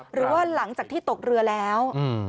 หรือว่าหลังจากที่ตกเรือแล้ว